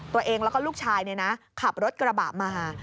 ตัวเองแล้วก็ลูกชายขับรถกระบะมา